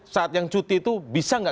saat yang cuti itu bisa nggak